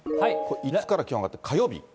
いつから気温が上がって、火曜日？